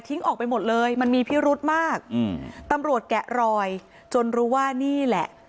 ออกไปหมดเลยมันมีพิรุธมากอืมตำรวจแกะรอยจนรู้ว่านี่แหละ